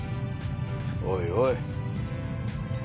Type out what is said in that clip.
おいおい。